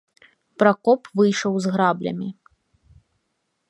Пракоп выйшаў з граблямі.